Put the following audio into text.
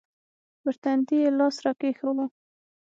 پر تندي يې لاس راکښېښوو.